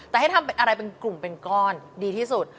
แต่ให้ทำอะไรเป็นกลุ่มเป็นก้อนดีที่สุด